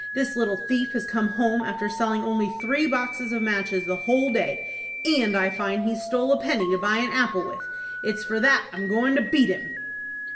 This little thief has come home, after selling only three boxes of matches the whole day, and I find he's stole a penny to buy an apple with. It's for that I'm goin' to beat him."